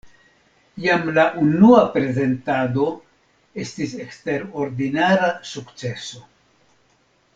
Jam la unua prezentado estis eksterordinara sukceso.